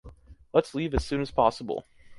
Let’s leave as soon as possible!